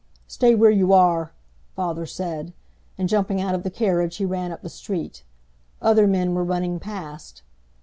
"Stay where you are," father said, and jumping out of the carriage, he ran up the street. Other men were running past.